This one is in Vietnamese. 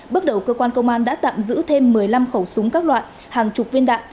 bước đầu cơ quan công an đã tạm giữ thêm một mươi năm khẩu súng các loại hàng chục viên đạn